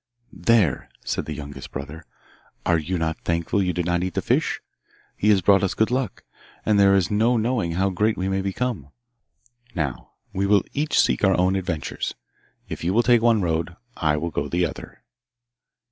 'There!' said the younger brother. 'Are you not thankful you did not eat that fish? He has brought us good luck, and there is no knowing how great we may become! Now, we will each seek our own adventures. If you will take one road I will go the other.